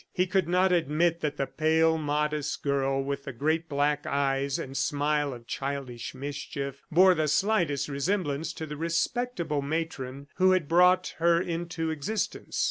He could not admit that the pale, modest girl with the great black eyes and smile of childish mischief bore the slightest resemblance to the respectable matron who had brought her into existence.